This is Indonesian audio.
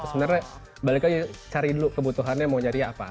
sebenarnya balik lagi cari dulu kebutuhannya mau nyari apa